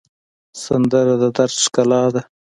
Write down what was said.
سندره د دَرد ښکلا ده